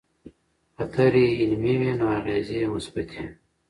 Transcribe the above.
که طرحې علمي وي نو اغېزې یې مثبتې وي.